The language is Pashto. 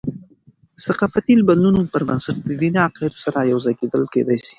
د ثقافتي بدلونونو پربنسټ، د دیني عقاید سره یوځای کیدل کېدي سي.